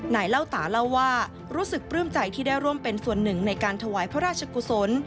เล่าตาเล่าว่ารู้สึกปลื้มใจที่ได้ร่วมเป็นส่วนหนึ่งในการถวายพระราชกุศล